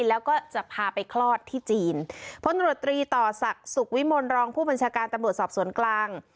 แล้วก็จะพาไปคลอดที่จีนพลตรวจตรีต่อศักดิ์สุขวิมลรองผู้บัญชาการตำรวจสอบสวนกลาง